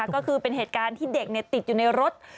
ก็คือเป็นเหตุการณ์ที่เด็กติดอยู่ในรถ